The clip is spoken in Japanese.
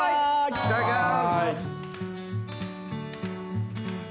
いただきます